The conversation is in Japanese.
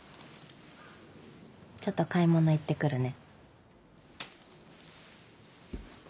ちょっと買い物行ってくるね。